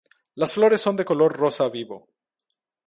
Las flores son de color rosa vivo.